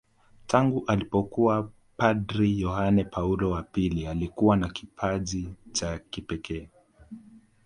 Tangu alipokuwa padri Yohane Paulo wa pili alikuwa na kipaji cha pekee